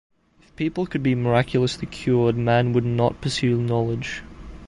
If people could be miraculously cured man would not pursue knowledge.